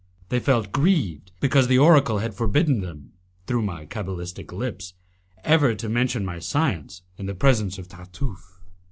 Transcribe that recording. They felt grieved because the oracle had forbidden them, through my cabalistic lips, ever to mention my science in the presence of Tartufe.